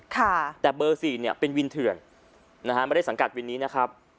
ค่ะแต่เบอร์สี่เนี่ยเป็นวินเถื่อนนะฮะไม่ได้สังกัดวินนี้นะครับ